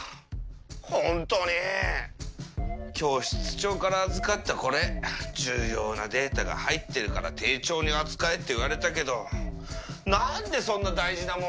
ホントに今日室長から預かったこれ重要なデータが入ってるから丁重に扱えって言われたけど何でそんな大事なもの